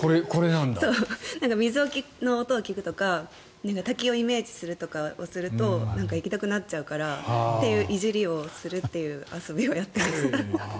水の音を聞くとか滝をイメージするとかをすると行きたくなっちゃうからといういじりをするという遊びをやっていました。